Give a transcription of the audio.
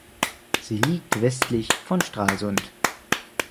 Sie liegt westlich von Stralsund.